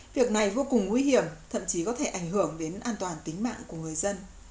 việc này vô cùng nguy hiểm thậm chí có thể ảnh hưởng đến an toàn tính mạng của người dân